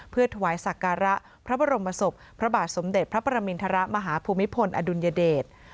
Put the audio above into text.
เพื่อถวายศักระพระบรมศพพระบาทสมเด็จพระประมินทรมาฮภูมิพลอดุลยเดช